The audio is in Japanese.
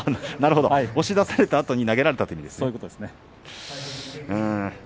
押し出されたあとに投げられたということですね。